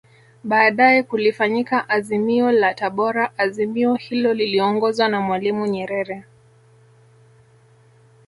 Baadae kulifanyika Azimio la Tabora Azimio hilo liliongozwa na Mwalimu Nyerere